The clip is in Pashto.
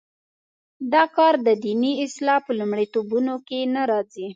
دا کار د دیني اصلاح په لومړیتوبونو کې نه راځي.